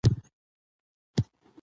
دا وسایل فرش پاکوي.